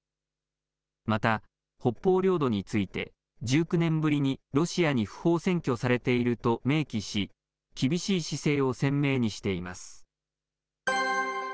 また北方領土について、１９年ぶりにロシアに不法占拠されていると明記し、厳しい姿勢を鮮明にしています。